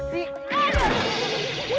apa dengan tidak